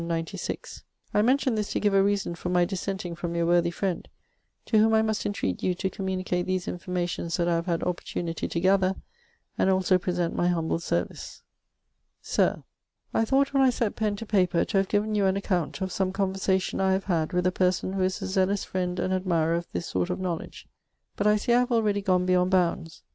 I mention this to give a reason for my dissenting from your worthy friend, to whome I must intreat you to communicate these informations that I have had opportunity to gather, and also present my humble service. Sir, I thought when I set pen to paper to have given you an account of some conversation I have had with a person who is a zealous friend and admirer of this sort of knowledge, but I see I have already gone beyound bounds.